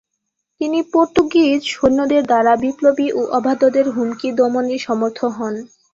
তিনি পর্তুগীজ সৈন্যদের দ্বারা বিপ্লবী ও অবাধ্যদের হুমকি দমনে সমর্থ হন।